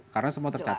karena semua tercatat